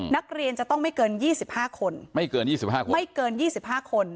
นักเรียนจะต้องไม่เกินยี่สิบห้าคนไม่เกินยี่สิบห้าคนไม่เกินยี่สิบห้าคน